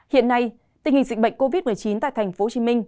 hiện nay tình hình dịch bệnh covid một mươi chín tại tp hcm